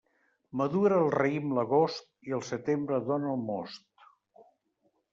Madura el raïm l'agost, i el setembre dóna el most.